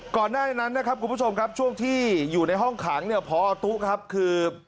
ก่อนหน้านั้นนะครับคุณผู้ชมครับช่วงที่อยู่ในห้องขังเนี่ยพอตุ๊ครับคือ